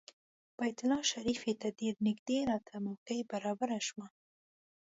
بیت الله شریفې ته ډېر نږدې راته موقع برابره شوه.